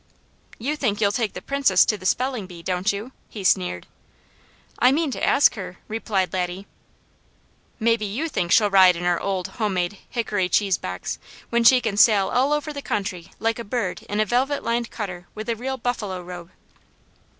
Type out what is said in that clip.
"You think you'll take the Princess to the spelling bee, don't you?" he sneered. "I mean to ask her," replied Laddie. "Maybe you think she'll ride in our old homemade, hickory cheesebox, when she can sail all over the country like a bird in a velvet lined cutter with a real buffalo robe."